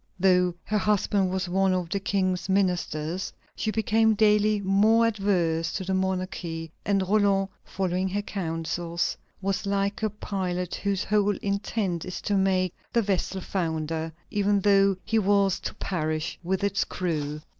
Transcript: Though her husband was one of the King's ministers, she became daily more adverse to the monarchy, and Roland, following her counsels, was like a pilot whose whole intent is to make the vessel founder, even though he were to perish with its crew.